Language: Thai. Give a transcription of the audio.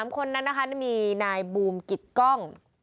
๓คนนั้นนะคะมีนายบูมกิจกล้อง